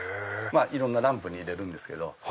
いろんなランプに入れるんですけど。